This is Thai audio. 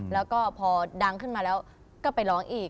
แล้วก็พอดังขึ้นมาแล้วก็ไปร้องอีก